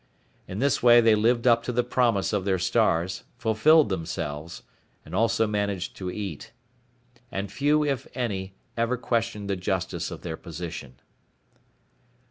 In this way they lived up to the promise of their stars, fulfilled themselves, and also managed to eat. And few if any ever questioned the justice of their position.